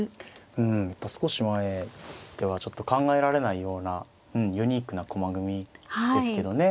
うん少し前ではちょっと考えられないようなユニークな駒組みですけどね。